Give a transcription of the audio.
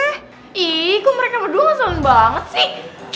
ih kok mereka berdua gak saling banget sih